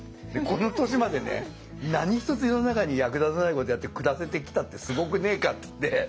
この年までね何一つ世の中に役立たないことやって暮らせてきたってすごくねえかっつって。